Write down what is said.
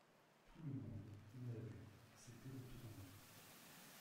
Tout le monde, on l’a vu, s’était retourné.